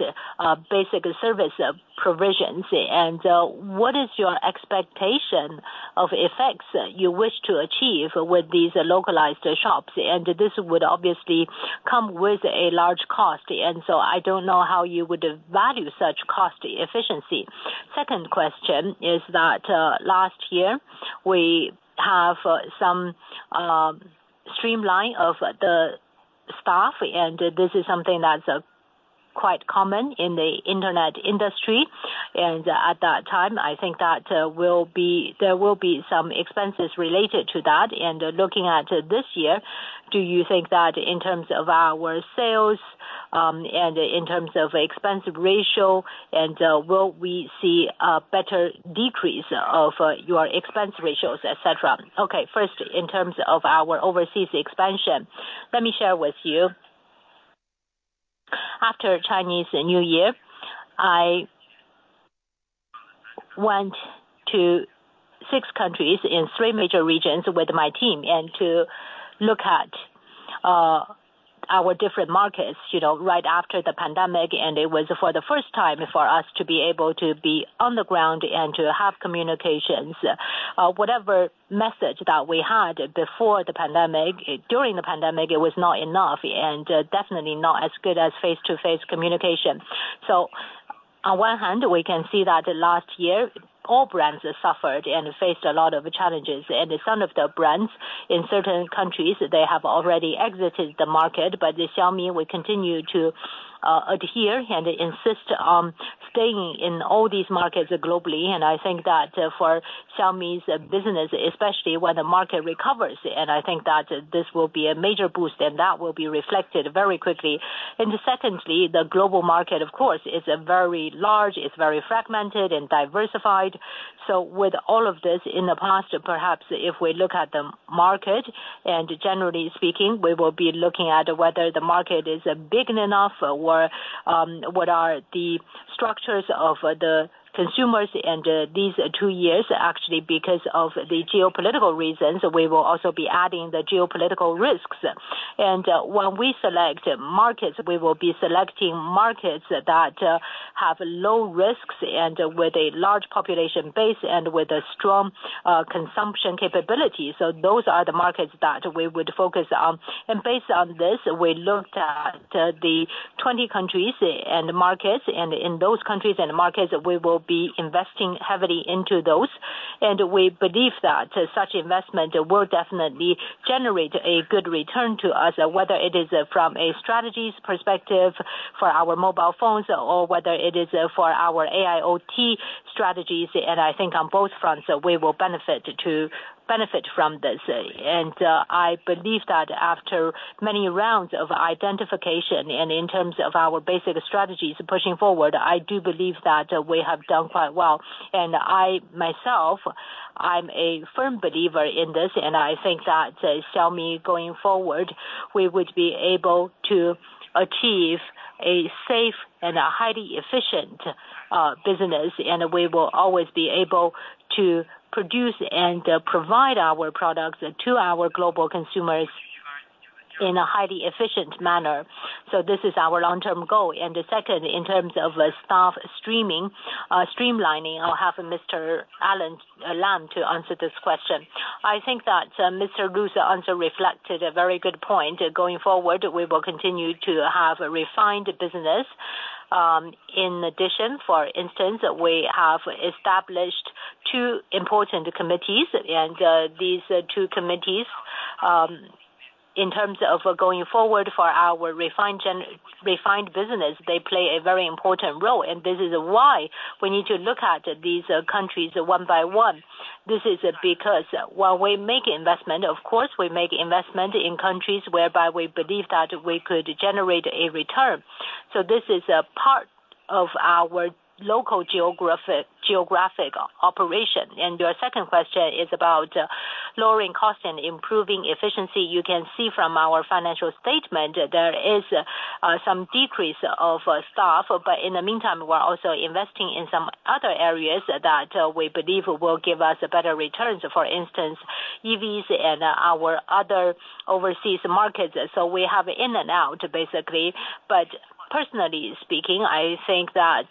basic service provisions, what is your expectation of effects you wish to achieve with these localized shops? This would obviously come with a large cost. I don't know how you would value such cost efficiency. Second question is that last year we have some streamline of the staff. This is something that's quite common in the internet industry. At that time, I think that, there will be some expenses related to that. Looking at this year, do you think that in terms of our sales, and in terms of expense ratio and, will we see a better decrease of your expense ratios, et cetera? Okay. First, in terms of our overseas expansion, let me share with you. After Chinese New Year, I went to six countries in three major regions with my team and to look at, our different markets, you know, right after the pandemic, and it was for the first time for us to be able to be on the ground and to have communications. Whatever message that we had before the pandemic, during the pandemic, it was not enough, and definitely not as good as face-to-face communication. On one hand, we can see that last year, all brands suffered and faced a lot of challenges. Some of the brands in certain countries, they have already exited the market. Xiaomi will continue to adhere and insist on staying in all these markets globally. I think that for Xiaomi's business, especially when the market recovers, and I think that this will be a major boost, and that will be reflected very quickly. Secondly, the global market, of course, is very large, it's very fragmented and diversified. With all of this in the past, perhaps if we look at the market, and generally speaking, we will be looking at whether the market is big enough or what are the structures of the consumers. These two years, actually, because of the geopolitical reasons, we will also be adding the geopolitical risks. When we select markets, we will be selecting markets that have low risks and with a large population base and with a strong consumption capability. Those are the markets that we would focus on. Based on this, we looked at the 20 countries and markets. In those countries and markets, we will be investing heavily into those. We believe that such investment will definitely generate a good return to us, whether it is from a strategies perspective for our mobile phones or whether it is for our AIoT strategies. I think on both fronts, we will benefit from this. I believe that after many rounds of identification and in terms of our basic strategies pushing forward, I do believe that we have done quite well. I, myself, I'm a firm believer in this, and I think that Xiaomi going forward, we would be able to achieve a safe and a highly efficient business, and we will always be able to produce and provide our products to our global consumers in a highly efficient manner. This is our long-term goal. Second, in terms of staff streamlining, I'll have Mr. Alain Lam to answer this question. I think that Mr. Lu's answer reflected a very good point. Going forward, we will continue to have a refined business. In addition, for instance, we have established two important committees. These two committees, in terms of going forward for our refined business, they play a very important role. This is why we need to look at these countries one by one. This is because while we make investment, of course, we make investment in countries whereby we believe that we could generate a return. This is a part of our local geographic operation. Your second question is about lowering cost and improving efficiency. You can see from our financial statement there is some decrease of staff. In the meantime, we're also investing in some other areas that we believe will give us better returns. For instance, EVs and our other overseas markets. We have in and out, basically. Personally speaking, I think that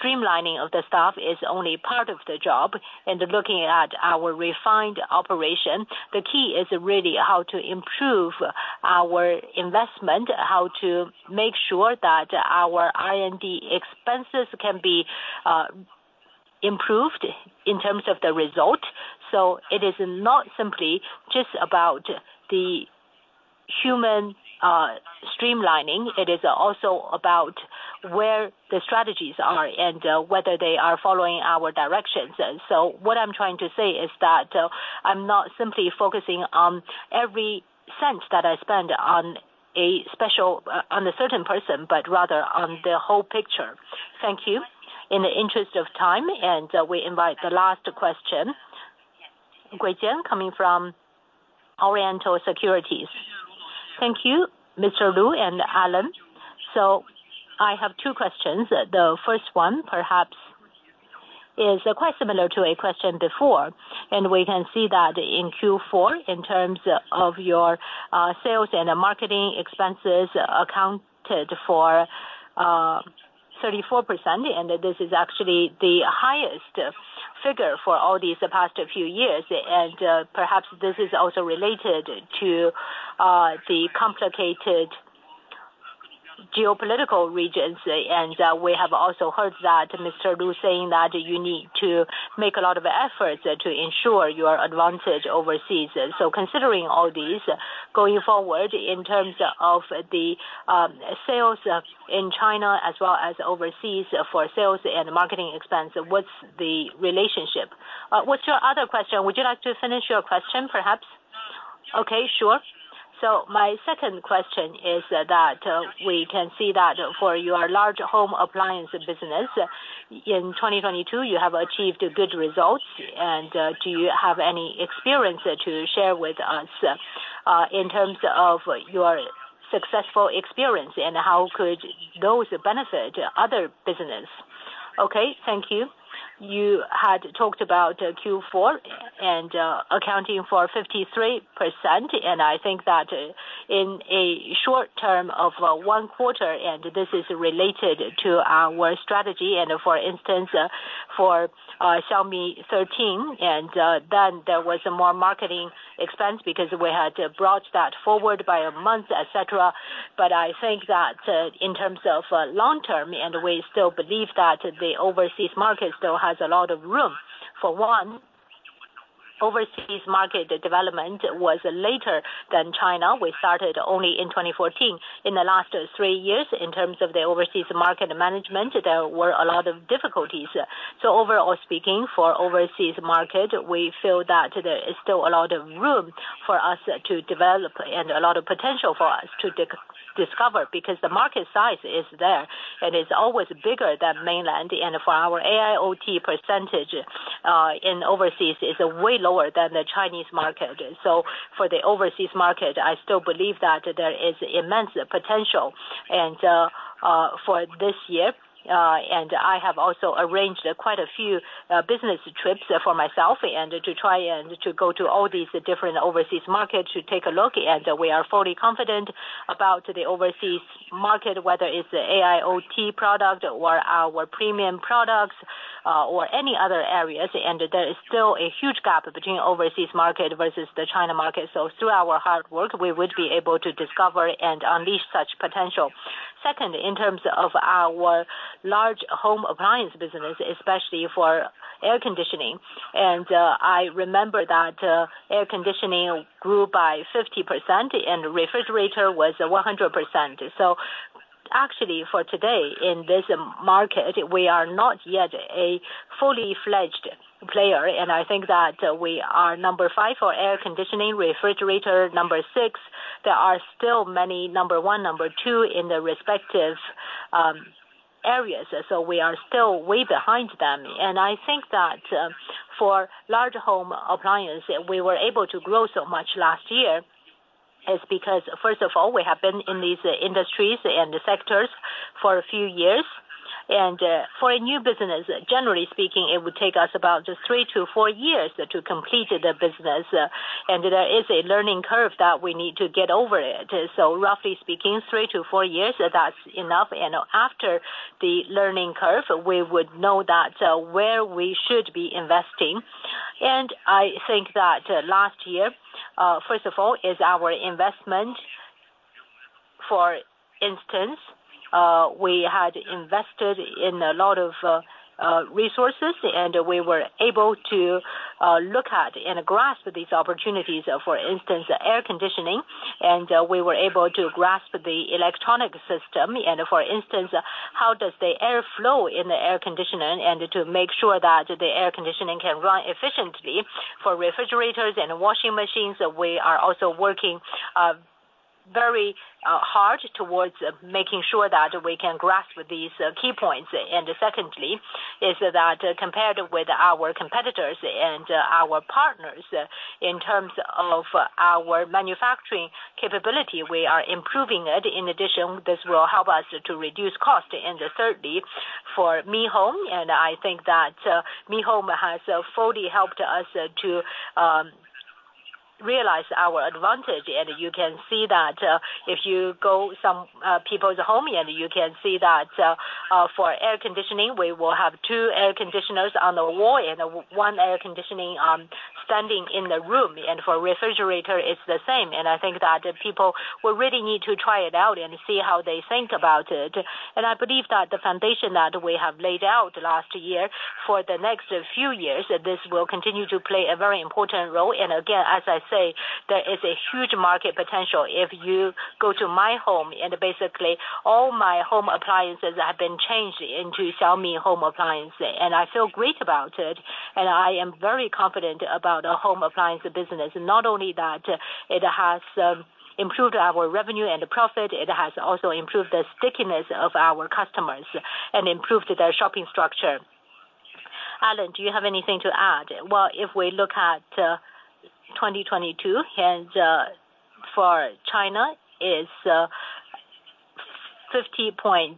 streamlining of the staff is only part of the job. Looking at our refined operation, the key is really how to improve our investment, how to make sure that our R&D expenses can be improved in terms of the result. It is not simply just about the human streamlining. It is also about where the strategies are and whether they are following our directions. What I'm trying to say is that I'm not simply focusing on every cent that I spend on a certain person, but rather on the whole picture. Thank you. In the interest of time, we invite the last question. Jian coming from Orient Securities. Thank you, Mr. Lu and Alain. I have two questions. The first one perhaps is quite similar to a question before, we can see that in Q4 in terms of your sales and the marketing expenses accounted for 34%, and this is actually the highest figure for all these past few years. Perhaps this is also related to the complicated geopolitical regions. We have also heard that Mr. Lu saying that you need to make a lot of efforts to ensure your advantage overseas. Considering all these, going forward in terms of the sales in China as well as overseas for sales and marketing expense, what's the relationship? What's your other question? Would you like to finish your question, perhaps? Okay, sure. My second question is that we can see that for your large home appliance business, in 2022, you have achieved good results. Do you have any experience to share with us in terms of your successful experience and how could those benefit other business? Okay, thank you. You had talked about Q4 accounting for 53%. I think that in a short term of one quarter, this is related to our strategy, for instance, for Xiaomi 13. There was more marketing expense because we had brought that forward by a month, et cetera. I think that in terms of long term, we still believe that the overseas market still has a lot of room. For one, overseas market development was later than China. We started only in 2014. In the last three years, in terms of the overseas market management, there were a lot of difficulties. Overall speaking, for overseas market, we feel that there is still a lot of room for us to develop and a lot of potential for us to discover because the market size is there, it's always bigger than mainland. For our AIoT percentage, in overseas is way lower than the Chinese market. For the overseas market, I still believe that there is immense potential. For this year, I have also arranged quite a few business trips for myself and to try and to go to all these different overseas markets to take a look. We are fully confident about the overseas market, whether it's the AIoT product or our premium products, or any other areas. There is still a huge gap between overseas market versus the China market. Through our hard work, we would be able to discover and unleash such potential. Second, in terms of our large home appliance business, especially for air conditioning, I remember that air conditioning grew by 50% and refrigerator was 100%. Actually, for today in this market, we are not yet a fully-fledged player. I think that we are number five for air conditioning, refrigerator number six. There are still many number one, number two in the respective areas. We are still way behind them. I think that for large home appliance, we were able to grow so much last year is because, first of all, we have been in these industries and sectors for a few years. For a new business, generally speaking, it would take us about just three to four years to complete the business. There is a learning curve that we need to get over it. Roughly speaking, three to four years, that's enough. After the learning curve, we would know that where we should be investing. I think that last year, first of all, is our investment. For instance, we had invested in a lot of resources, and we were able to look at and grasp these opportunities. For instance, air conditioning, and we were able to grasp the electronic system and for instance, how does the air flow in the air conditioning and to make sure that the air conditioning can run efficiently. For refrigerators and washing machines, we are also working very hard towards making sure that we can grasp these key points. Secondly is that compared with our competitors and our partners, in terms of our manufacturing capability, we are improving it. In addition, this will help us to reduce cost. Thirdly, for Mi Home, and I think that Mi Home has fully helped us to realize our advantage. You can see that, if you go some people's home, and you can see that, for air conditioning, we will have two air conditioners on the wall and one air conditioning standing in the room. For refrigerator, it's the same. I think that people will really need to try it out and see how they think about it. I believe that the foundation that we have laid out last year, for the next few years, this will continue to play a very important role. Again, as I say, there is a huge market potential. If you go to my home and basically all my home appliances have been changed into Xiaomi home appliances, and I feel great about it, and I am very confident about home appliance business. Not only that, it has improved our revenue and profit, it has also improved the stickiness of our customers and improved their shopping structure. Alain, do you have anything to add? Well, if we look at 2022, for China is 50.2%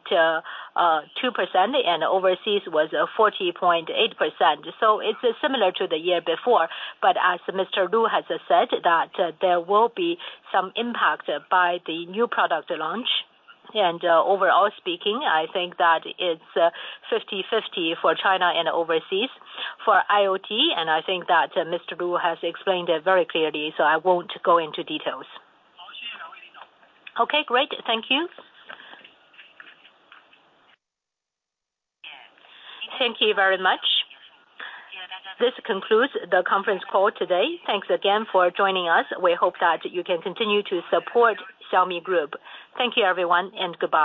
and overseas was 40.8%. It's similar to the year before. As Mr. Lu has said that there will be some impact by the new product launch. Overall speaking, I think that it's 50/50 for China and overseas for IoT, and I think that Mr. Lu has explained it very clearly, so I won't go into details. Okay, great. Thank you. Thank you very much. This concludes the conference call today. Thanks again for joining us. We hope that you can continue to support Xiaomi Group. Thank you, everyone, and goodbye.